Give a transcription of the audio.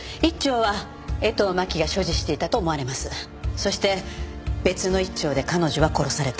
そして別の１丁で彼女は殺された。